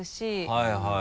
はいはい。